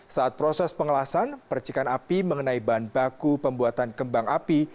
saat proses pengelasan percikan api mengenai bahan baku pembuatan kembang api